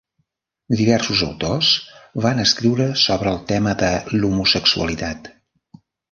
Diversos autors van escriure sobre el tema de l'homosexualitat.